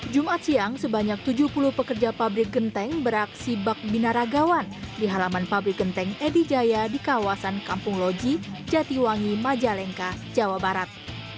jumat siang sebanyak tujuh puluh pekerja pabrik genteng beraksi bak binaragawan di halaman pabrik genteng edijaya di kawasan kampung loji jatiwangi majalengka jawa barat